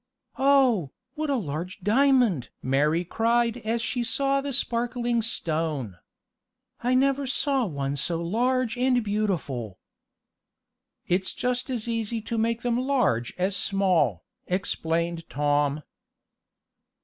"Oh, what a large diamond!" Mary cried as she saw the sparkling stone. "I never saw one so large and beautiful!" "It's just as easy to make them large as small," explained Tom.